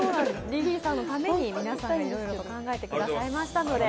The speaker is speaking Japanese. リリーさんのために皆さんがいろいろ考えてくださいましたので。